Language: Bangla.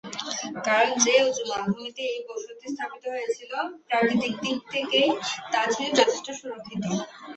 কারণ, যে উঁচু মালভূমিতে এই বসতি স্থাপিত হয়েছিল, প্রাকৃতিক দিক থেকেই তা ছিল যথেষ্ট সুরক্ষিত।